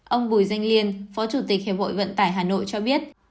ông bùi danh liên phó chủ tịch hiệp hội vận tải hà nội cho biết